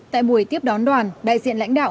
tại buổi tiếp đón đoàn đại diện lãnh đạo